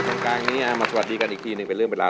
ตรงกลางนี้มาสวัสดีกันอีกทีหนึ่งเป็นเรื่องเวลา